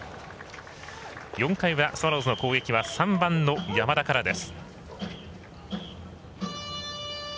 ４回はスワローズの攻撃は３番の山田からです。